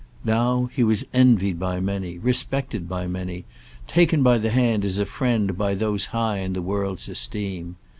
Now he was envied by many, respected by many, taken by the hand as a friend by those high in the world's esteem.